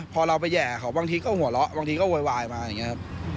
พอเราไปแห่เขาบางทีก็หัวเราะบางทีก็โวยวายมาอย่างนี้ครับ